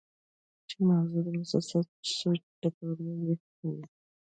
چې مازغه د مسلسل سوچ د پاره وېخ وي